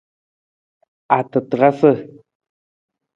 Atatarasa.